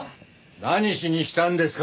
何しに来たんですか？